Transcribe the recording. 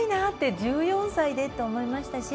１４歳で、と思いましたし。